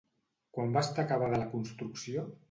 Quan va estar acabada la construcció?